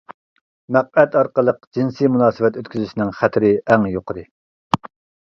مەقئەت ئارقىلىق جىنسى مۇناسىۋەت ئۆتكۈزۈشنىڭ خەتىرى ئەڭ يۇقىرى.